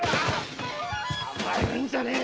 甘えるんじゃねえ！